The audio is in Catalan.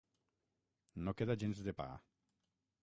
No queda gens de pa.